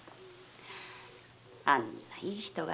あんないい人がねえ。